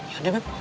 ya udah beb